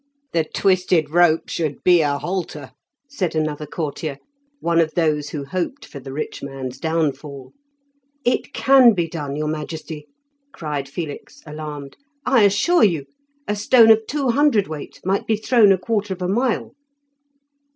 "The twisted rope should be a halter," said another courtier, one of those who hoped for the rich man's downfall. "It can be done, your majesty," cried Felix, alarmed. "I assure you, a stone of two hundredweight might be thrown a quarter of a mile."